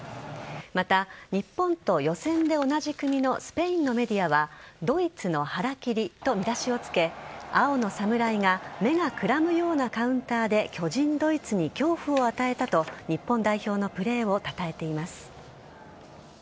また、日本と予選で同じ組のスペインのメディアはドイツのハラキリと見出しをつけ青のサムライが目がくらむようなカウンターで巨人・ドイツに恐怖を与えたと日本代表のプレーをたたえています。